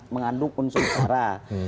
mengandung unsur searah